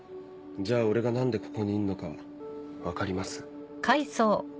じゃあ俺が何でここにいんのかは分かります？